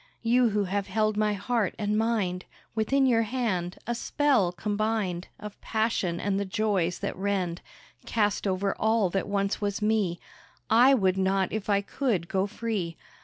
You who have held my heart and mind Within your hand, a spell combined Of passion and the joys that rend Cast over all that once was me, I would not if I could, go free.